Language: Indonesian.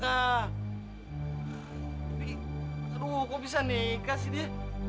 tapi aduh kok bisa nikah sih dia